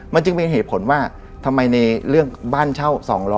มันจึงเป็นเหตุผลว่าทำไมในเรื่องบ้านเช่า๒๐๐